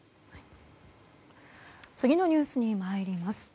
次のニュースにまいります。